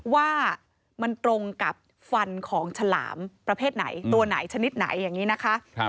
ว่ามันตรงกับฟันของฉลามประเภทไหนตัวไหนชนิดไหนอย่างนี้นะคะ